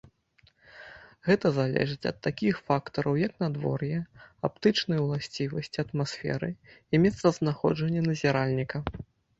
Гэта залежыць ад такіх фактараў як надвор'е, аптычныя ўласцівасці атмасферы і месцазнаходжанне назіральніка.